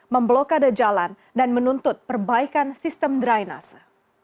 memblokade jalan dan menuntut perbaikan sistem dry nasa